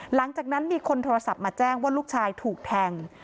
หลังจากนั้นมีคนโทรศัพท์มาแจ้งว่าลูกชายถูกแทง